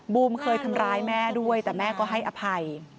บูมเคยทำร้ายแม่ด้วยแต่แม่ก็ให้อภัย